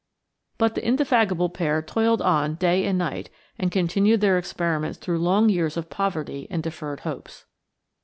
But the indefatigable pair toiled on day and night and continued their experiments through long years of poverty and deferred hopes.